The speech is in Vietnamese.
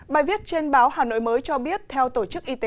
bài viết trên báo hà nội mới cho biết theo tổ chức y tế